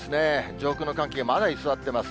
上空の寒気がまだ居座っています。